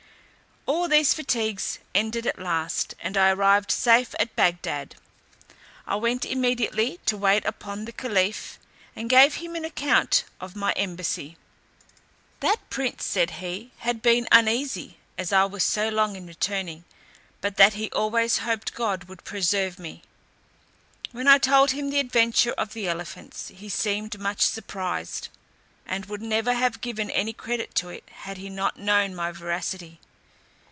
All these fatigues ended at last, and I arrived safe at Bagdad. I went immediately to wait upon the caliph, and gave him an account of my embassy. That prince said he had been uneasy, as I was so long in returning, but that he always hoped God would preserve me. When I told him the adventure of the elephants, he seemed much surprised, and would never have given any credit to it had he not known my veracity.